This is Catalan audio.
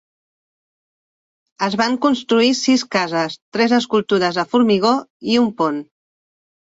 Es van construir sis cases, tres escultures de formigó i un pont.